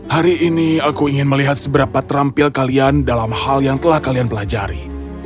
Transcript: hari ini aku ingin melihat seberapa terampil kalian dalam hal yang telah kalian pelajari